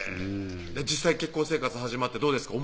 実際結婚生活始まってどうですか？